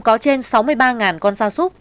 có trên sáu mươi ba con sa súc